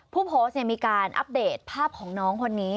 ผู้โพสต์มีการอัปเดตภาพของน้องคนนี้